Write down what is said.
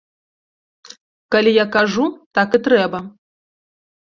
Калі я кажу, так і трэба.